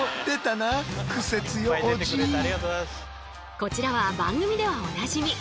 こちらは番組ではおなじみ！